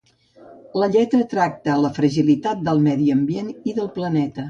La lletra tracta la fragilitat del medi ambient i del planeta.